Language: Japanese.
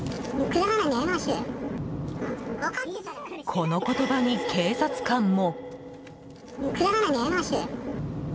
この言葉に警察官も。